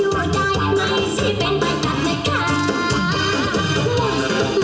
แม่งเข้าหน่าจ๊ะฟัง